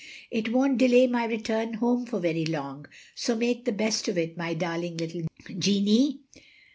It won't delay my return home for very long, so make the best of it, my darling little Jeannie.